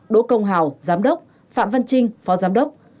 đỗ công hào giám đốc phạm văn trinh phó giám đốc